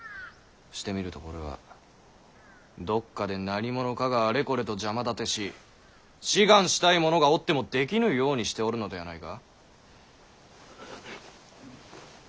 してみるとこれはどっかで何者かがあれこれと邪魔立てし志願したい者がおってもできぬようにしておるのではないか？